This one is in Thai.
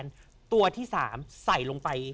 ตัวที่๓ใส่ลงไป